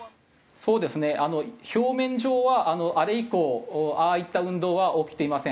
そうですね表面上はあれ以降ああいった運動は起きていません。